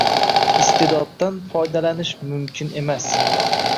Iste’doddan foydalanish mumkin emas.